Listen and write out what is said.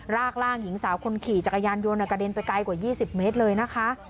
ร่างหญิงสาวคนขี่จักรยานยนต์กระเด็นไปไกลกว่า๒๐เมตรเลยนะคะ